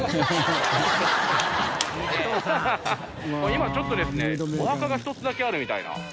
今ちょっとですねお墓が１つだけあるみたいな。